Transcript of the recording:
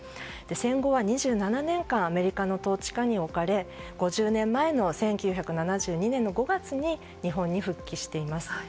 戦後は２７年間アメリカの統治下に置かれ５０年前の１９７２年５月に日本に復帰してます。